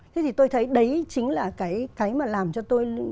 thế thì tôi thấy đấy chính là cái mà làm cho tôi